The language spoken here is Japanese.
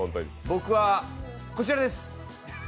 僕はこちらです。